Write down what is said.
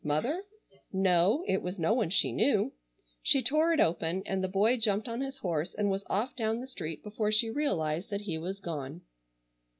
Mother? No, it was no one she knew. She tore it open, and the boy jumped on his horse and was off down the street before she realized that he was gone.